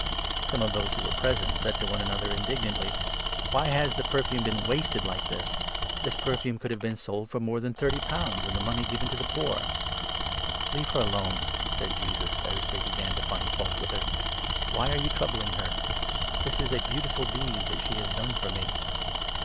Some of those 4 who were present said to one another indignantly : "Why has the perfume been wasted like this? This per 5 fume could have been sold for more than thirty pounds, and the money given to the poor." " Let her alone," said Jesus, as they began to find fault with 6 her, "why are you troubling her? This is a beautiful deed that she has done for me.